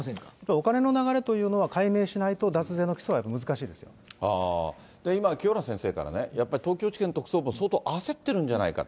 お金の流れというのは、解明しないと、今、清原先生からね、やっぱり東京地検特捜部も相当焦っているんじゃないかと。